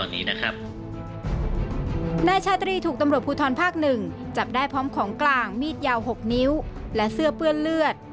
นายชาตรีถูกตำรวจภูทรภาค๑จับได้พร้อมของกลางมีดยาว๖นิ้วและเสื้อเปื้อนเลือด